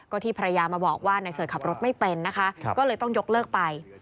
ก็ที่ภรรยามาบอกว่านายเสิร์ชขับรถไม่เป็นนะคะก็เลยต้องยกเลิกไป